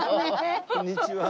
こんにちは。